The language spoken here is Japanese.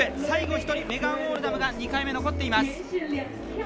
最後１人、メガン・オールダムが２回目、残っています。